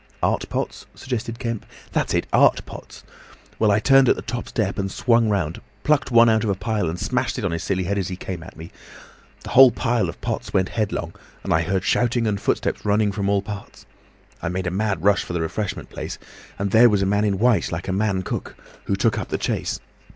"Art pots," suggested Kemp. "That's it! Art pots. Well, I turned at the top step and swung round, plucked one out of a pile and smashed it on his silly head as he came at me. The whole pile of pots went headlong, and I heard shouting and footsteps running from all parts. I made a mad rush for the refreshment place, and there was a man in white like a man cook, who took up the chase.